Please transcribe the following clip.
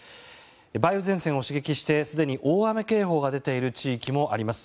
梅雨前線を刺激してすでに大雨警報が出ている地域もあります。